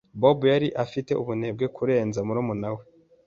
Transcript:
Bob yari afite ubunebwe kurenza murumuna we.